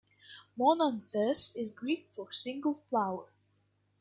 "Monanthes" is Greek for "single flower".